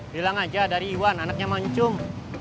bilang aja dari iwan anaknya mau nyuncung